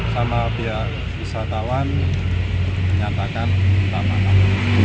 sama biar wisatawan menyatakan tamangan